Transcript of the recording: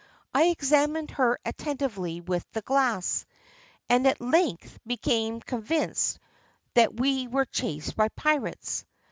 I examined her attentively with the glass, and at length became convinced that we were chased by pirates.